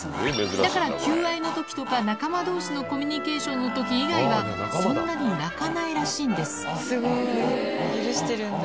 だから求愛の時とか仲間同士のコミュニケーションの時以外はそんなに鳴かないらしいんです